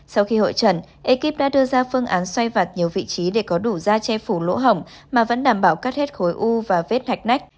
sau khi hội trần ekip đã đưa ra phương án xoay vạt nhiều vị trí để có đủ da che phủ lỗ hỏng mà vẫn đảm bảo cắt hết khối u và vết hạch nách